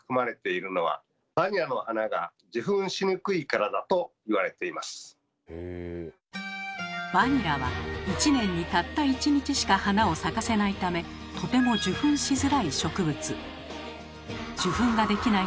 ちなみにバニラは１年にたった１日しか花を咲かせないためとても受粉しづらい植物。